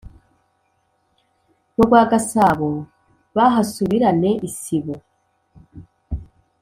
mu rwa gasabo bahasubirane isibo